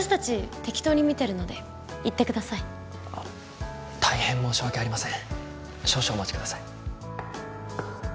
適当に見てるので行ってください大変申し訳ありません少々お待ちください